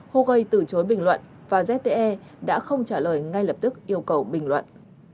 huawei từ chối bình luận và zte đã không trả lời ngay lập tức yêu cầu bình luận